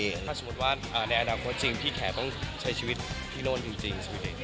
ถ้าสมมุติว่าในอนาคตจริงพี่แขกต้องใช้ชีวิตที่โน่นจริงชีวิต